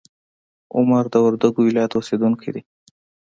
عمر د وردګو ولایت اوسیدونکی دی.